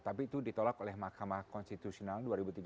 tapi itu ditolak oleh mahkamah konstitusional dua ribu tiga belas